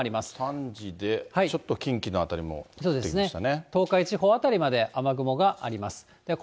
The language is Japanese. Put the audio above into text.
３時でちょっと近畿の辺りも降ってきましたね。